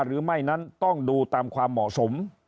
หรือไม่นั้นต้องดูตามความเหมาะสม